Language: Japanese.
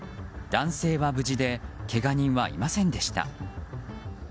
男性は無事でけが人はいませんでいた。